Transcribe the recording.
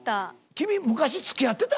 君昔つきあってた？